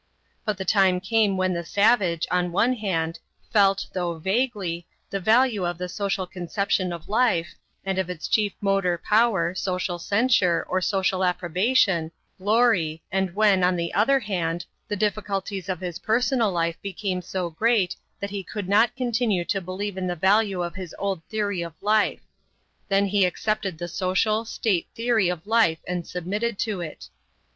But the time came when the savage, on one hand, felt, though vaguely, the value of the social conception of life, and of its chief motor power, social censure, or social approbation glory, and when, on the other hand, the difficulties of his personal life became so great that he could not continue to believe in the value of his old theory of life. Then he accepted the social, state theory of life and submitted to it.